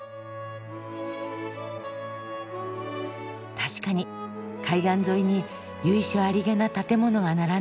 確かに海岸沿いに由緒ありげな建物が並んでる。